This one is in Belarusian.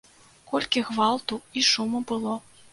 Колькі гвалту і шуму было.